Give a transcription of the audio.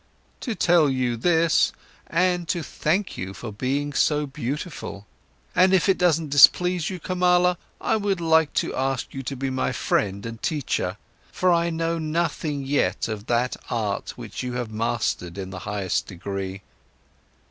"To tell you this and to thank you for being so beautiful. And if it doesn't displease you, Kamala, I would like to ask you to be my friend and teacher, for I know nothing yet of that art which you have mastered in the highest degree."